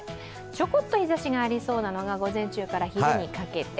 ちょこっと日ざしがありそうなのが、午前中から昼にかけて。